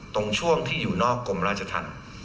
ตรงช่วงที่อยู่นอกกรมราชธรรม